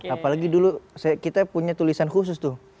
apalagi dulu kita punya tulisan khusus tuh